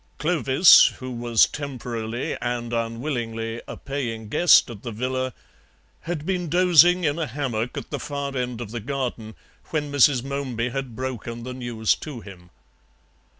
Clovis, who was temporarily and unwillingly a paying guest at the villa, had been dozing in a hammock at the far end of the garden when Mrs. Momeby had broken the news to him.